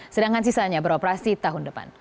sedangkan sisanya beroperasi tahun depan